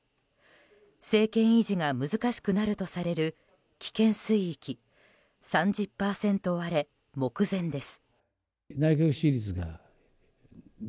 政権維持が難しくなるとされる危険水域３０％割れ目前です。